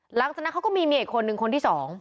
หลังจากนั้นเขาก็มีเมียอีกคนนึงคนที่สอง